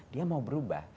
dia mau berubah